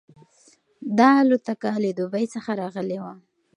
دا الوتکه له دوبۍ څخه راغلې وه.